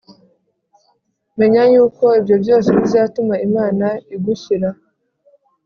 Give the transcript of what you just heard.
menya yuko ibyo byose bizatuma Imana igushyira